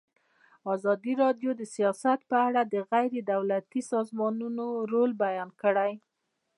ازادي راډیو د سیاست په اړه د غیر دولتي سازمانونو رول بیان کړی.